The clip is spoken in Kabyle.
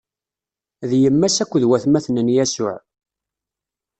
D yemma-s akked watmaten n Yasuɛ.